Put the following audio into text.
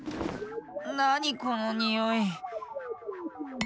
なにこのにおい？